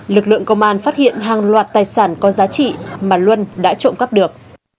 lực lượng công an phát hiện hàng loạt tài sản có giá trị mà luân đã trộm cắp được